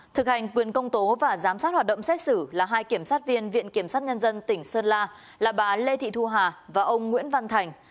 thực hành quyền công tố và giám sát hoạt động xét xử là hai kiểm sát viên viện kiểm sát nhân dân tỉnh sơn la là bà lê thị thu hà và ông nguyễn văn thành